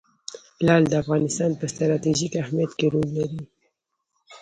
لعل د افغانستان په ستراتیژیک اهمیت کې رول لري.